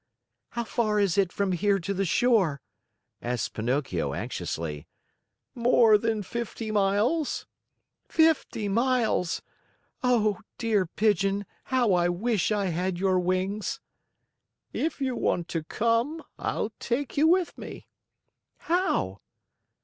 "How far is it from here to the shore?" asked Pinocchio anxiously. "More than fifty miles." "Fifty miles? Oh, dear Pigeon, how I wish I had your wings!" "If you want to come, I'll take you with me." "How?"